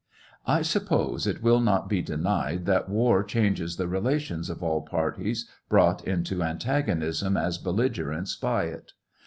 I suppose it will not be denied that war changes the relations of all parties brought into antagonism as belligerents by it.